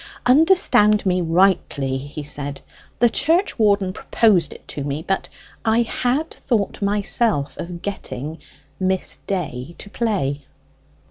"Understand me rightly," he said: "the church warden proposed it to me, but I had thought myself of getting Miss Day to play."